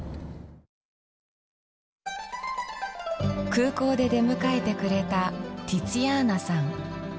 空港で出迎えてくれたティツィアーナさん。